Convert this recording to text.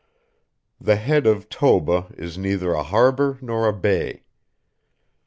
The head of Toba is neither a harbor nor a bay.